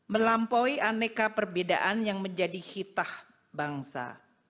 melampaui aneka perbedaan yang menjadi hitah bangsa